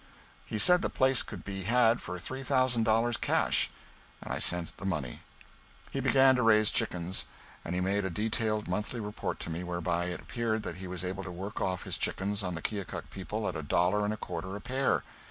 He said the place could be had for three thousand dollars cash, and I sent the money. He began to raise chickens, and he made a detailed monthly report to me, whereby it appeared that he was able to work off his chickens on the Keokuk people at a dollar and a quarter a pair.